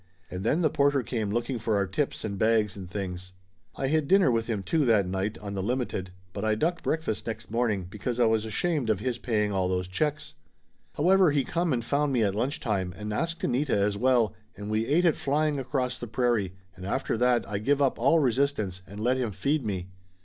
And then the porter came looking for our tips and bags and things. I had dinner with him, too, that night on the lim ited, but I ducked breakfast next morning because I was ashamed of his paying all those checks. However, Laughter Limited 69 he come and found me at lunch time and asked Anita as well, and we ate it flying across the prairie, and after that I give up all resistance and let him feed me.